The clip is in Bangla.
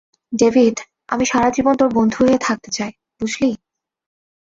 ডেভিড, আমি সারাজীবন তোর বন্ধু হয়ে থাকলে চাই, বুঝলি?